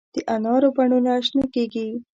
د انارو بڼونه شنه کیږي